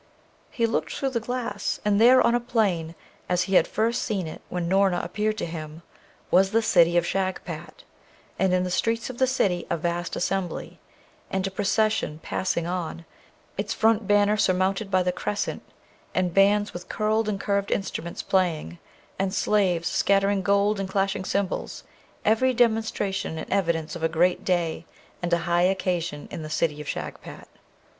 He looked through the glass, and there on a plain, as he had first seen it when Noorna appeared to him, was the City of Shagpat, and in the streets of the city a vast assembly, and a procession passing on, its front banner surmounted by the Crescent, and bands with curled and curved instruments playing, and slaves scattering gold and clashing cymbals, every demonstration and evidence of a great day and a high occasion in the City of Shagpat!